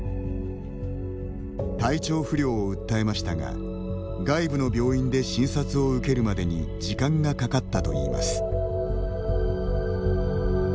体調不良を訴えましたが外部の病院で診察を受けるまでに時間がかかったといいます。